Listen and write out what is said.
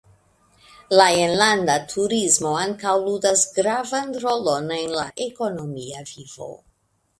La enlanda turismo ankaŭ ludas gravan rolon en la ekonomia vivo.